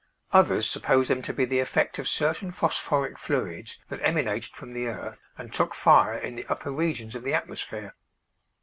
Others supposed them to be the effect of certain phosphoric fluids that emanated from the earth and took fire in the upper regions of the atmosphere.